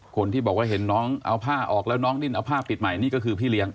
คนที่บอกว่าเห็นน้องเอาผ้าออกแล้วน้องดิ้นเอาผ้าปิดใหม่นี่ก็คือพี่เลี้ยง